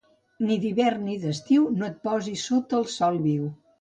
Ni d'hivern ni d'estiu, no et posis sota el sol viu.